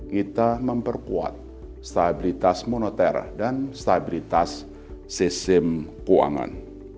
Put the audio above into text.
kita memperkuat stabilitas moneter dan stabilitas sistem keuangan